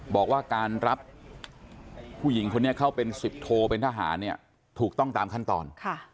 บอกว่าการรับผู้หญิงคนนี้เข้าเป็น๑๐โทเป็นทหารเนี่ยถูกต้องตามขั้นตอน